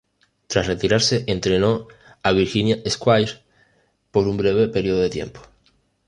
Tras retirarse entrenó a Virginia Squires por un breve periodo de tiempo.